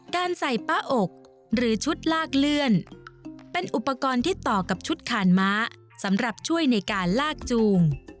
การใส่ป้าอกหรือชุดลากเลื่อนเป็นอุปกรณ์ที่ต่อกับชุดขานม้าสำหรับช่วยในการลากจูง